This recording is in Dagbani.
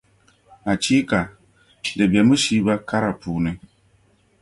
Achiika! Di be mushiiba kara puuni.